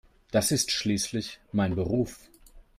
Das ist schließlich mein Beruf.